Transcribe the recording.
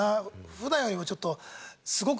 普段よりもちょっとすごく。